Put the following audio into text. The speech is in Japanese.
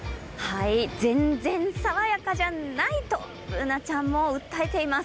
全然さわやかじゃないとＢｏｏｎａちゃんも訴えています。